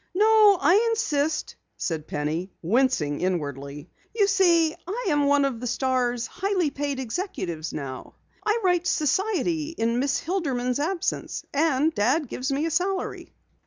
"No, I insist," said Penny, wincing inwardly. "You see, I am one of the Star's highly paid executives now. I write society in Miss Hilderman's absence and Dad gives me a salary."